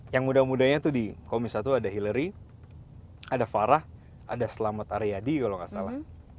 yang muda mudanya tuh di komisi satu ada hillary ada farah ada selamat aryadi kalau nggak salah